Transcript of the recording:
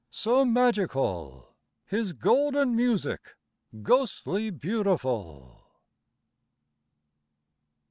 so magical! His golden music, ghostly beautiful.